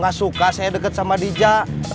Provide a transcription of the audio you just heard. gak suka saya deket sama dija